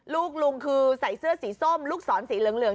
ลุงคือใส่เสื้อสีส้มลูกศรสีเหลือง